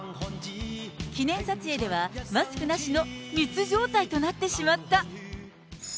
記念撮影では、マスクなしの密状態となってしまった。